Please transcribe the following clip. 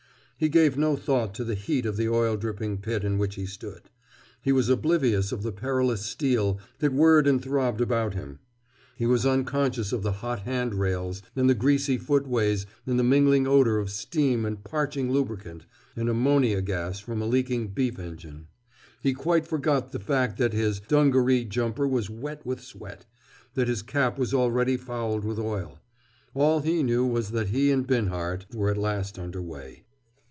He gave no thought to the heat of the oil dripping pit in which he stood. He was oblivious of the perilous steel that whirred and throbbed about him. He was unconscious of the hot hand rails and the greasy foot ways and the mingling odor of steam and parching lubricant and ammonia gas from a leaking "beef engine." He quite forgot the fact that his dungaree jumper was wet with sweat, that his cap was already fouled with oil. All he knew was that he and Binhart were at last under way.